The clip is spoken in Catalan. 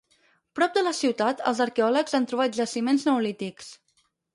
Prop de la ciutat, els arqueòlegs han trobat jaciments neolítics.